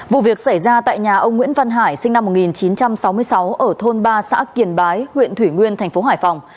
vụ việc xảy ra tại nhà ông nguyễn văn hải sinh năm một nghìn chín trăm sáu mươi sáu ở thôn ba xã kiềng bái huyện thủy nguyên thành phố hải phòng